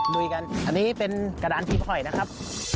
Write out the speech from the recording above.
ลุยกันอันนี้เป็นกระดานพริกห่อยนะครับ